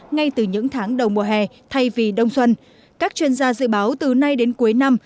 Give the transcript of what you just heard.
ngay từ những tháng đầu mùa hè thay vì đông xuân các chuyên gia dự báo từ nay đến cuối năm